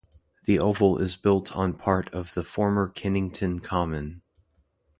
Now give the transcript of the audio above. The Oval is built on part of the former Kennington Common.